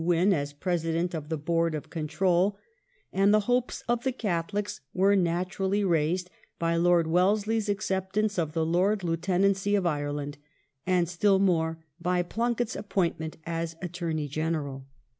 Wynn as President of the Board of Control, and the hopes of the Catholics wei e naturally raised by Lord Wellesley's acceptance of the Lord Lieutenancy of Ireland, and still more by Plunket's appointment as his Attorney General.